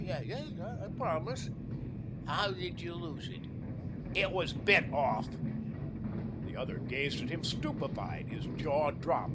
Yes, I'll promise. How did you lose it?" "It was bit off." The other gazed at him stupefied; his jaw dropped.